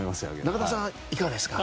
中田さんはいかがですか？